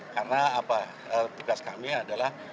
karena tugas kami adalah